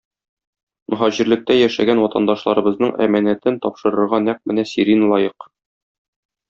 Мөһаҗирлектә яшәгән ватандашларыбызның әманәтен тапшырырга нәкъ менә Сирин лаек.